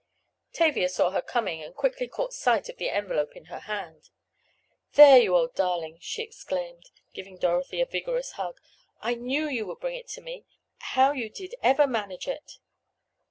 Tavia saw her coming, and quickly caught sight of the envelope in her hand. "There, you old darling!" she exclaimed, giving Dorothy a vigorous hug. "I knew you would bring it to me. How you did ever manage it?"